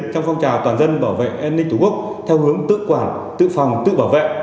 trong phong trào toàn dân bảo vệ an ninh tổ quốc theo hướng tự quản tự phòng tự bảo vệ